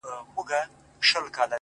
بنگړي نه غواړم ـ